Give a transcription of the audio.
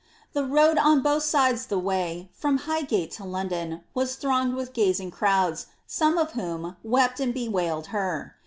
The road on both sides the way, from Highgate to London, was thronged with gazing crowds, some of whom wept and bewailed her.